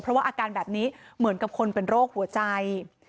เพราะว่าอาการแบบนี้เหมือนกับคนเป็นโรคหัวใจ